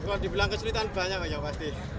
kalau dibilang kesulitan banyak banyak pasti